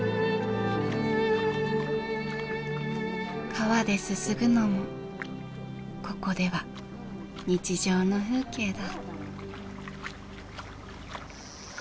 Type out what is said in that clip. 川ですすぐのもここでは日常の風景だ。